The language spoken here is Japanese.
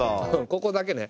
ここだけね。